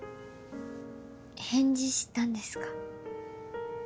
返事したんですか？